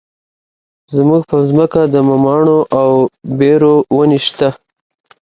زموږ په ځمکه کې د مماڼو او بیرو ونې شته.